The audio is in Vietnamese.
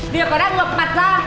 việc có đang ngập mặt ra